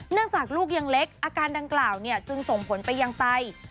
จากลูกยังเล็กอาการดังกล่าวจึงส่งผลไปยังไต